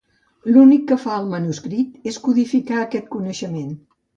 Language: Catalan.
L'únic que fa el manuscrit és codificar aquest coneixement.